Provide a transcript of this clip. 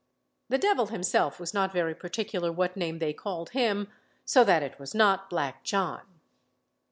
The devil himself was not very particular what name they called him, so that it was not "Black John."